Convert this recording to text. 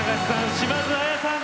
島津亜矢さん